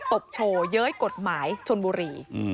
บโชว์เย้ยกฎหมายชนบุรี